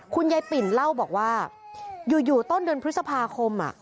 คุณยายปิ่นเล่าบอกว่าอยู่ต้นเดือนพฤษภาคม